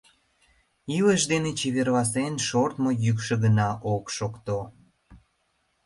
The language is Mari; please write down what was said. Илыш дене чеверласен шортмо йӱкшӧ гына ок шокто.